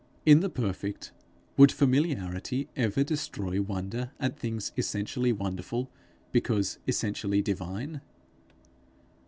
In the Perfect, would familiarity ever destroy wonder at things essentially wonderful because essentially divine?